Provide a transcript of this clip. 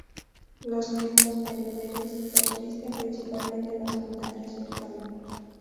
Las lenguas bereberes persisten principalmente en las montañas y el campo.